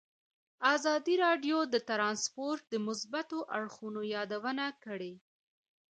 ازادي راډیو د ترانسپورټ د مثبتو اړخونو یادونه کړې.